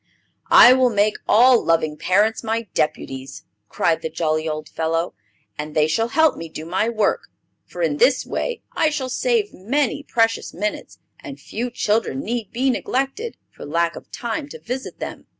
"I will make all loving parents my deputies!" cried the jolly old fellow, "and they shall help me do my work. For in this way I shall save many precious minutes and few children need be neglected for lack of time to visit them."